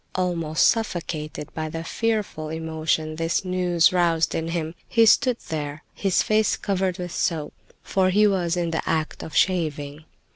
Almost suffocated by the fearful emotion this news roused in him, he stood there, his face covered with soap, for he was in the act of shaving.